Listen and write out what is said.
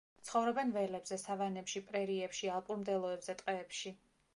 ცხოვრობენ ველებზე, სავანებში, პრერიებში, ალპურ მდელოებზე, ტყეებში.